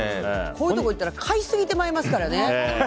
こういうところ行ったら買いすぎてしまいますからね。